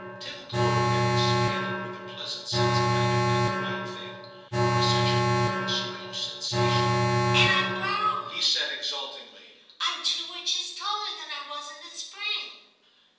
Tim glowed and expanded with the pleasant sense of having done the right thing; it was such a new and strange sensation. *And I've grown,' he said ex ultingly ;* I 'm two inches taller than I was in the spring.'